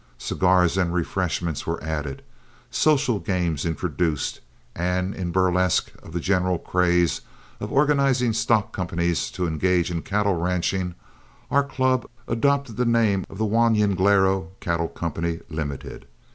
Cigars and refreshments were added, social games introduced, and in burlesque of the general craze of organizing stock companies to engage in cattle ranching, our club adopted the name of The Juan Jinglero Cattle Company, Limited.